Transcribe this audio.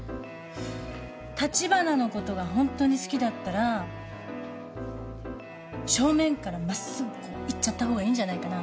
立花のことがホントに好きだったら正面から真っすぐこういっちゃった方がいいんじゃないかな？